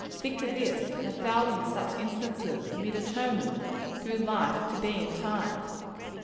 Think of this, and a thousand such instances, and be determined, through life, to be in time."